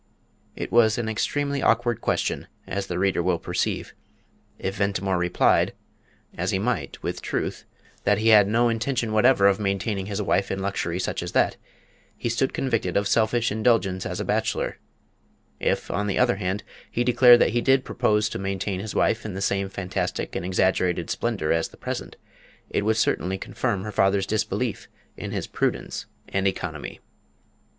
It was an extremely awkward question, as the reader will perceive. If Ventimore replied as he might with truth that he had no intention whatever of maintaining his wife in luxury such as that, he stood convicted of selfish indulgence as a bachelor; if, on the other hand, he declared that he did propose to maintain his wife in the same fantastic and exaggerated splendour as the present, it would certainly confirm her father's disbelief in his prudence and economy.